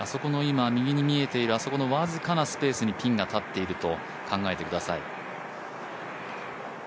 右に見えている僅かなスペースにピンが立っていると考えてください。